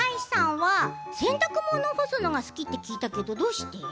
洗濯物を干すのが好きって聞いたけど、どうして？